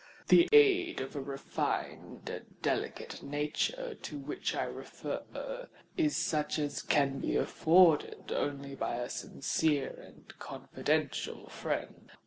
The aid of a refined and delicate nature to which I refer, is such as can be afforded only by a sincere and confidential friend.